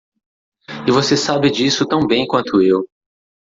E você sabe disso tão bem quanto eu.